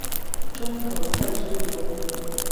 中投快速公路